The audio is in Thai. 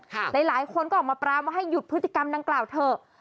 หลายคนก็ออกมาปรามว่าให้หยุดพฤติกรรมดังกล่าวเถอะ